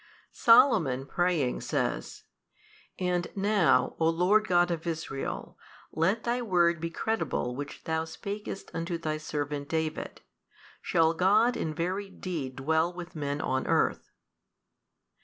Solomon praying says, And now, O Lord God of Israel, let Thy word be credible which Thou spakest unto Thy servant David: shall God in very deed dwell with men on earth?